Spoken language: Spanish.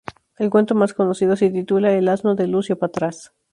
El cuento más conocido se titula "El asno de Lucio Patras".